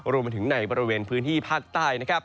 รวมไปถึงในบริเวณพื้นที่ภาคใต้นะครับ